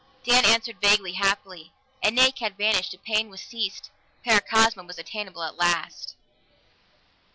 Dan answered vaguely, happily. An ache had vanished; a pain was eased. Paracosma was attainable at last!